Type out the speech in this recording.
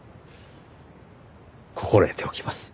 心得ておきます。